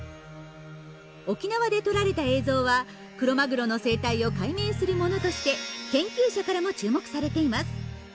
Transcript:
沖縄で撮られた映像はクロマグロの生態を解明するものとして研究者からも注目されています。